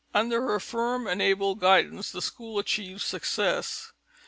Under her firm and able guidance, the school achieved success.